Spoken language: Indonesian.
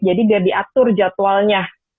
jadi dia diatur jadwalnya